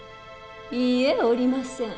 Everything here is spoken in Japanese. いいえおりません。